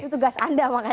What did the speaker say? itu tugas anda makanya